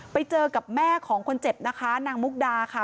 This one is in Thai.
ไปเจอกับแม่ของคนเจ็บนะคะนางมุกดาค่ะ